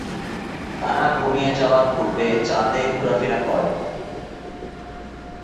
তারা ঘুমিয়ে যাওয়ার পূর্বে চাঁদে ঘুরা-ফিরা করেন।